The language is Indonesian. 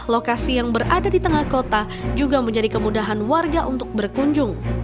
lokasi yang berada di tengah kota juga menjadi kemudahan warga untuk berkunjung